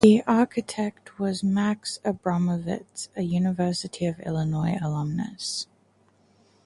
The architect was Max Abramovitz, a University of Illinois alumnus.